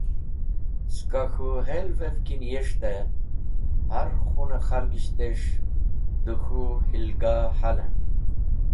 Ska k̃hũ helevev ki niyes̃hte, har khun-e khalgishtes̃h dẽ k̃hũ “helgah” halen.